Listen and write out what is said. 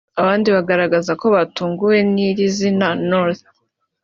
Abandi bagaragaza ko batunguwe n’iri zina North